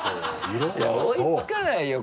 追いつかないよ